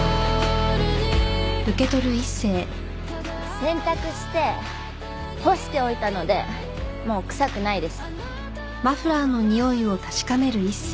洗濯して干しておいたのでもう臭くないです。